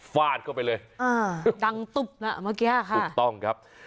ฟาดเข้าไปเลยอ่าดังตุ๊บน่ะเมื่อกี้ค่ะถูกต้องครับ